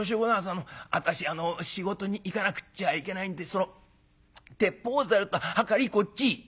あの私あの仕事に行かなくっちゃいけないんでその鉄砲ざるとはかりこっち」。